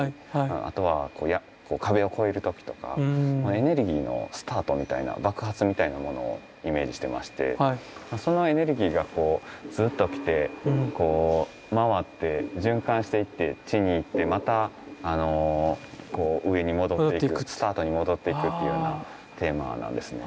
あとは壁を越える時とかエネルギーのスタートみたいな爆発みたいなものをイメージしてましてそのエネルギーがこうずうっと来て回って循環していって地に行ってまた上に戻っていくスタートに戻っていくっていうようなテーマなんですね。